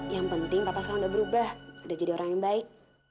yang penting papa sekarang udah berubah udah jadi orang yang baik